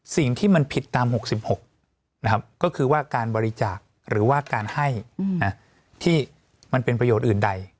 สิ่งที่มันผิดตาม๖๖นะครับก็คือว่าการบริจาคหรือว่าการให้ที่มันเป็นประโยชน์อื่นใด